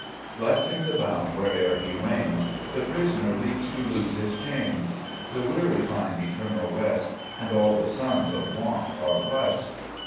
4 Blessings abound where'er He reigns ; The prisoner leaps to lose his chains, The weary find eternal rest, And all the sons of want are blest.